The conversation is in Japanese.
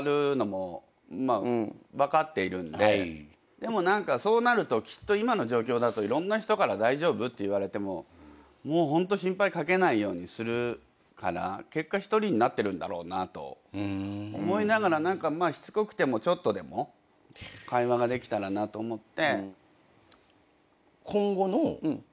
でも何かそうなるときっと今の状況だといろんな人から「大丈夫？」って言われてももうホント心配かけないようにするから結果一人になってるんだろうなと思いながら何かまあしつこくてもちょっとでも会話ができたらなと思って。